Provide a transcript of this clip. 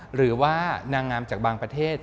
หรือว่านางงามจากบางประเทศ